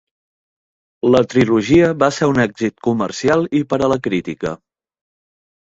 La trilogia va ser un èxit comercial i per a la crítica.